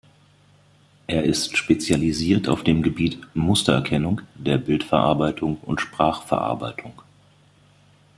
Er ist spezialisiert auf dem Gebiet "Mustererkennung" der Bildverarbeitung und Sprachverarbeitung.